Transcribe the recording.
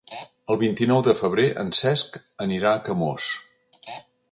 El vint-i-nou de febrer en Cesc anirà a Camós.